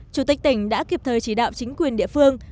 chủ tịch tỉnh đã kịp thời chỉ đạo chính quyền địa phương